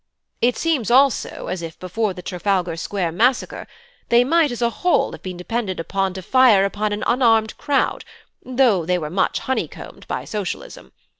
It seems also as if before the Trafalgar Square massacre they might as a whole have been depended upon to fire upon an unarmed crowd, though they were much honeycombed by Socialism.